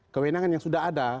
kewenangan yang sudah ada